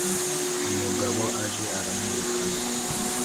Umugabo aje aramwirukana.